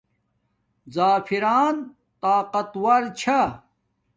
زَفران طاقت وار چھا